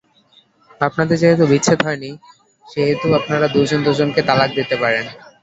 আপনাদের যেহেতু বিচ্ছেদ হয়নি, সেহেতু আপনারা দুজন দুজনকে তালাক দিতে পারেন।